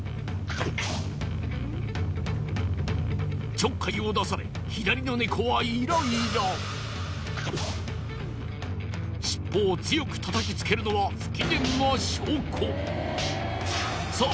ちょっかいを出され左のネコはイライラ尻尾を強く叩きつけるのはさあ